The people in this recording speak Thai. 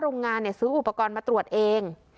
โรงงานซื้ออุปกรณ์มาตรวจเอง